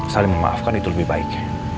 saling memaafkan itu lebih baik